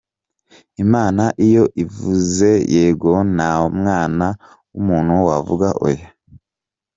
Imana iyo ivuze Yego, nta mwana w'umuntu wavuga Oya.